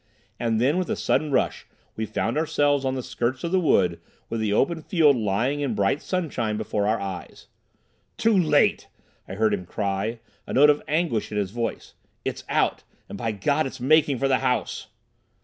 And then, with a sudden rush, we found ourselves on the skirts of the wood with the open field lying in bright sunshine before our eyes. "Too late!" I heard him cry, a note of anguish in his voice. "It's out—and, by God, it's making for the house!"